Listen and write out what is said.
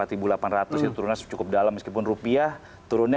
itu turunnya cukup dalam meskipun rupiah turunnya